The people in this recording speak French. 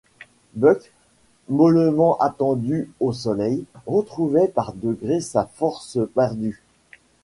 Buck, mollement étendu au soleil, retrouvait par degrés sa force perdue.